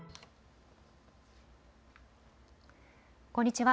こんにちは。